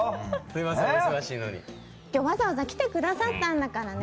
わざわざ来てくださったんだからね。